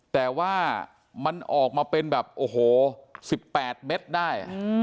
แต่ว่ามันออกมาเป็นแบบโอ้โห๑๘เม็ดได้